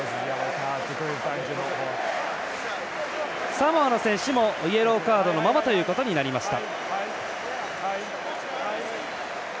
サモアの選手もイエローカードのままということになりました。